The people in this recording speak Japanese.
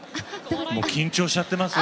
もう緊張しちゃってますよ